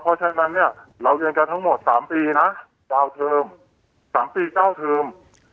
เพราะฉะนั้นเนี่ยเราเรียนกันทั้งหมด๓ปีนะ๙เทอม๓ปี๙เทอม